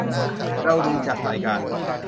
เราดูจากรายการ